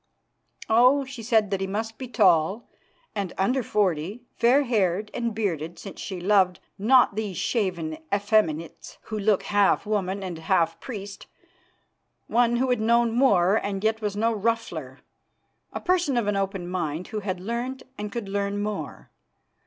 "Oh! she said that he must be tall, and under forty, fair haired and bearded, since she loved not these shaven effeminates, who look half woman and half priest; one who had known war, and yet was no ruffler; a person of open mind, who had learnt and could learn more.